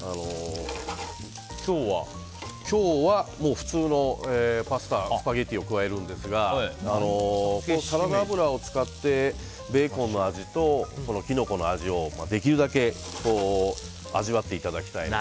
今日は、普通のパスタスパゲティを加えるんですがサラダ油を使ってベーコンの味とキノコの味をできるだけ味わっていただきたいので。